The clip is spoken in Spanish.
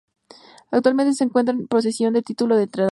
Actualmente, se encuentra en posesión del título de entrenador.